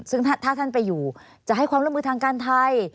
ซึ่งถ้าท่านไปอยู่จะให้ความร่วมมือทางการไทย